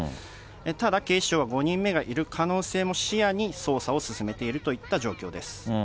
ただ、警視庁は５人目がいる可能性も視野に、捜査を進めているといった状況です。